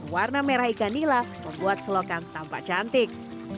warna merah ikan nila membuat selokan tampak cantik